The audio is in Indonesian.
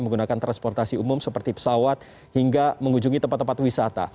menggunakan transportasi umum seperti pesawat hingga mengunjungi tempat tempat wisata